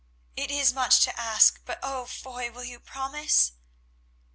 It is much to ask, but oh! Foy, will you promise?"